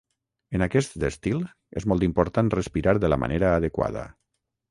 En aquest estil és molt important respirar de la manera adequada.